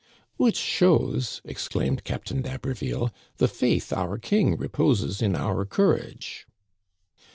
"Which shows," exclaimed Captain d'Haberville, " the faith our King reposes in our courage."